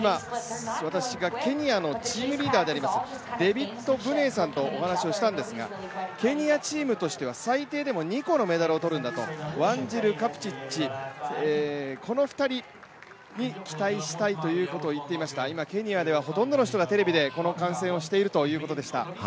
私が今、ケニアのチームリーダーであります、お話をしたんですが、ケニアチームとしては、最低でも２個のメダルを取るんだとワンジル、カプチッチこの２人に期待したいと言っています、今、ケニアではほとんどの人がこの観戦をしているということでした。